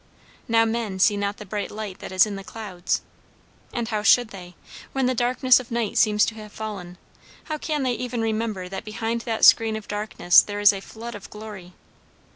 "Now men see not the bright light that is in the clouds;" and how should they? when the darkness of night seems to have fallen; how can they even remember that behind that screen of darkness there is a flood of glory?